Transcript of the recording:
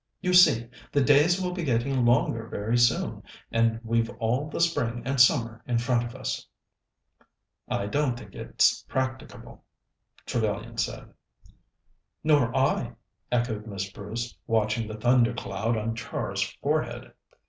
You see, the days will be getting longer very soon, and we've all the spring and summer in front of us." "I don't think it's practicable," Trevellyan said. "Nor I," echoed Miss Bruce, watching the thunder cloud on Char's forehead.